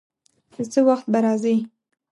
چې څه وخت به راځي.